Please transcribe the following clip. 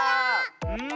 うん。